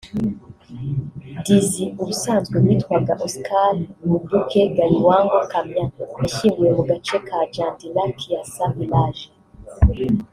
Dizzy ubusanzwe witwaga Oscar Mubuuke Galiwango Kamya yashyinguwe mu gace ka Jandira-Kyasa village